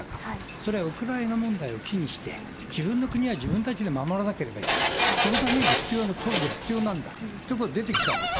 それはウクライナ問題を機にして、自分の国は自分たちで守らなければいけない、そのためには必要な装備が必要なんだということが出てきたわけです。